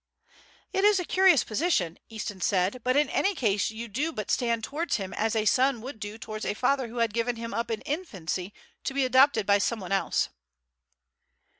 "It is a curious position," Easton said; "but in any case you do but stand towards him as a son would do towards a father who had given him up in infancy to be adopted by someone else."